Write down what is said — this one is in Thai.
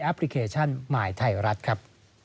พลิเคชันหมายไทยรัฐครับ